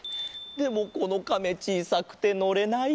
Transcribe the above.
でもこのカメちいさくてのれない。